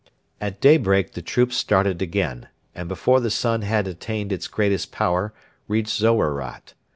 At daybreak the troops started again, and before the sun had attained its greatest power reached Zowarat.